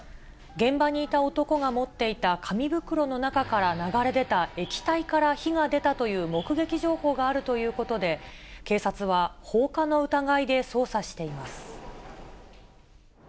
現場にいた男が持っていた紙袋の中から流れ出た液体から火が出たという目撃情報があるということで、警察は、放火の疑いで捜査しています。